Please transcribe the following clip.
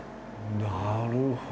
なるほど。